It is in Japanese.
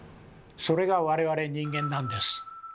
それが我々人間なんです。